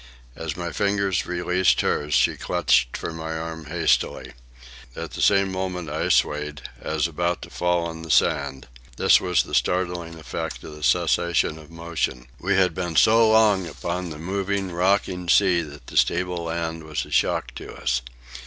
As my fingers released hers, she clutched for my arm hastily. At the same moment I swayed, as about to fall to the sand. This was the startling effect of the cessation of motion. We had been so long upon the moving, rocking sea that the stable land was a shock to us.